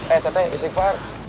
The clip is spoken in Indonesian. eh teh teh istighfar